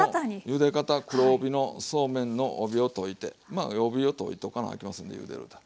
ゆで方黒帯のそうめんの帯を解いてまあ帯を解いとかなあきませんねゆでると。